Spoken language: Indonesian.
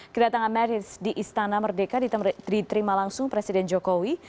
kedatangan marys di istana merdeka diterima langsung presiden jokowi